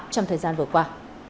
trong thời gian vừa qua